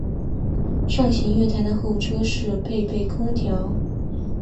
上行月台的候车室配备空调。